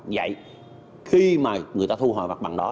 vậy khi mà người ta thu hồi mặt bằng đó